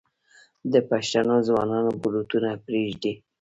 د پښتنو ځوانان بروتونه پریږدي.